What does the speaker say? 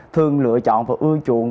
thường lựa chọn và ưa chuộng